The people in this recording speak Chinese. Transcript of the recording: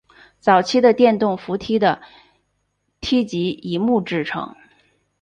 早期的电动扶梯的梯级以木制成。